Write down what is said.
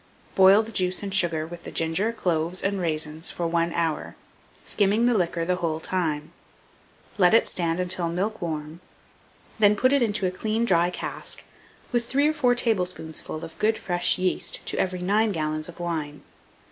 Boil the juice and sugar with the ginger, cloves, and raisins for 1 hour, skimming the liquor the whole time; let it stand until milk warm, then put it into a clean dry cask, with 3 or 4 tablespoonfuls of good fresh yeast to every 9 gallons of wine.